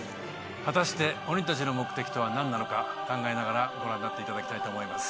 果たして鬼たちの目的とはなんなのか、考えながらご覧になっていただきたいと思います。